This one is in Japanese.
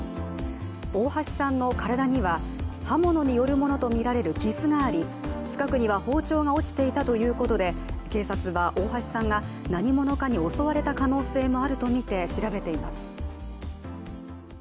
大橋さんの体には、刃物によるものとみられる傷があり近くには包丁が落ちていたということで警察は大橋さんが何者かに襲われた可能性もあるとみて調べています。